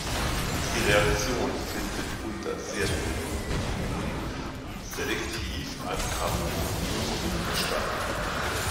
Die Reaktion findet unter sehr milden Bedingungen und selektiv an Carbonylgruppen statt.